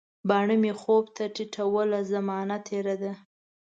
باڼه مي خوب ته ټیټوله، زمانه تیره ده